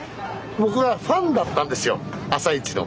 僕はファンだったんですよ朝市の。